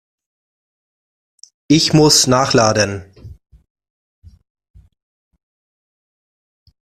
Ich muss nachladen.